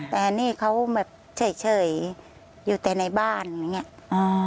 แต่นี่เขาแบบเฉยอยู่แต่ในบ้านอย่างนี้